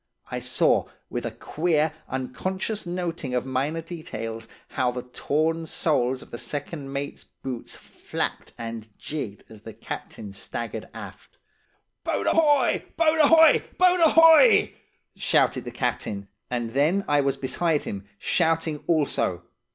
I saw, with a queer, unconscious noting of minor details, how the torn soles of the second mate's boots flapped and jigged as the captain staggered aft. "'Boat ahoy! Boat ahoy! Boat ahoy!' shouted the captain; and then I was beside him, shouting also.